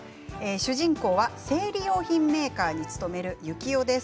主人公は生理用品メーカーに勤める幸男です。